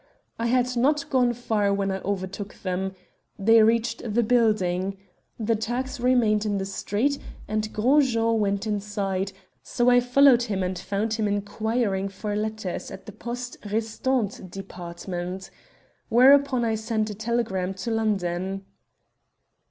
"I had not gone far when I overtook them. They reached the building. The Turks remained in the street and Gros Jean went inside, so I followed him, and found him inquiring for letters at the Poste Restante department. Whereupon I sent a telegram to London."